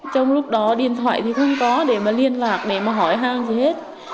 trong lúc đó điện thoại thì không có để mà liên lạc để mà hỏi hang gì hết